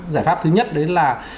giải pháp thứ nhất đấy là